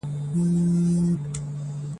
قرآن کریم د ښځو پر وړاندي ظلمونه بند کړل.